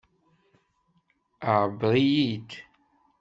Ԑebber-iyi-id.